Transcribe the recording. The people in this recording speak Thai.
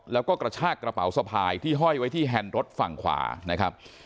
แล้วก็กระชากระเป๋าสะพายที่ห้อยไว้ที่แฮนด์รถฝั่งขวานะครับ